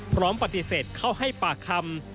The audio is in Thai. พร้อมปฏิเสธเข้าให้ปากคำ